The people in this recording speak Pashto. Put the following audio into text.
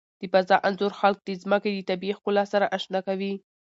د فضا انځور خلک د ځمکې د طبیعي ښکلا سره آشنا کوي.